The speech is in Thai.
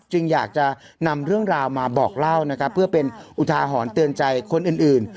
อยากจะนำเรื่องราวมาบอกเล่านะครับเพื่อเป็นอุทาหรณ์เตือนใจคนอื่น